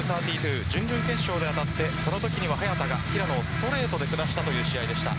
準々決勝で当たってそのときには早田がストレートを下したという試合でした。